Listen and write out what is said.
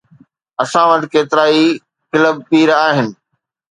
اسان وٽ ڪيترائي ڪلب پير آهن.